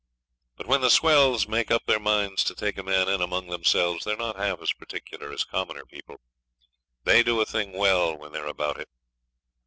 But when the swells make up their minds to take a man in among themselves they're not half as particular as commoner people; they do a thing well when they're about it.